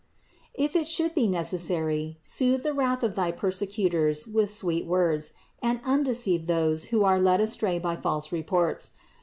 If it should be necessary, soothe the wrath of thy per secutors with sweet words, and undeceive those who are led astray by false reports.